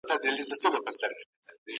د فولکلور په کیسو کي ډېر خوند وي.